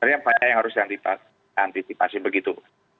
jadi banyak yang harus diantisipasi begitu